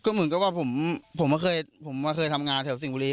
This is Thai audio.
ก็เหมือนกับว่าผมเคยทำงานเที่ยวสิ่งบุรี